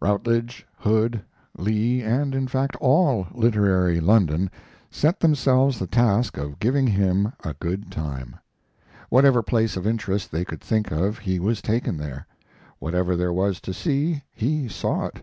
Routledge, Hood, Lee, and, in fact, all literary London, set themselves the task of giving him a good time. Whatever place of interest they could think of he was taken there; whatever there was to see he saw it.